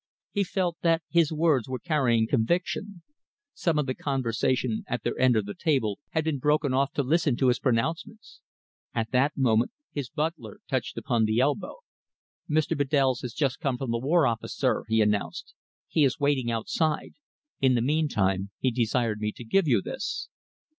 He felt that his words were carrying conviction. Some of the conversation at their end of the table had been broken off to listen to his pronouncements. At that moment his butler touched him upon the elbow. "Mr. Bedells has just come up from the War Office, sir," he announced. "He is waiting outside. In the meantime, he desired me to give you this."